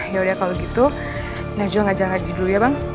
ya udah kalau gitu najwa ngajar haji dulu ya bang